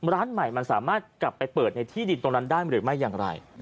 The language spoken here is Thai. ร้านใหม่มันสามารถกลับไปเปิดในที่ดินตรงนั้นได้หรือไม่อย่างไร